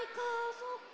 そっか。